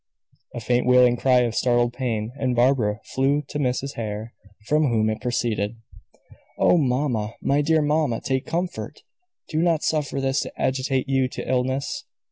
A faint wailing cry of startled pain, and Barbara flew to Mrs. Hare, from whom it proceeded. "Oh, mamma, my dear mamma, take comfort! Do not suffer this to agitate you to illness.